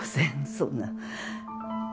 そんな？